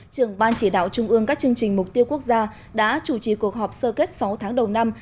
trưởng ban chỉ đạo trung ương các chương trình mục tiêu quốc gia đã chủ trì cuộc họp sơ kết sáu tháng đầu năm